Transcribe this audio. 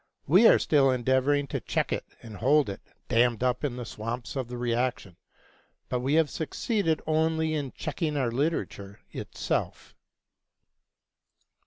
We are still endeavoring to check it and hold it dammed up in the swamps of the reaction, but we have succeeded only in checking our literature itself.